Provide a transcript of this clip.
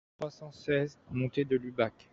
trois cent seize montée de l'Ubac